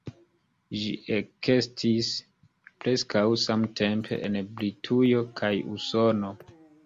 Ĝi ekestis preskaŭ samtempe en Britujo kaj Usono.